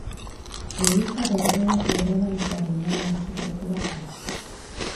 Eliza Borgoinako erromanikoaren lan nagusienetariko bat da.